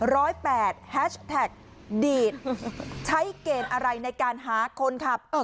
แปดแฮชแท็กดีดใช้เกณฑ์อะไรในการหาคนขับเออ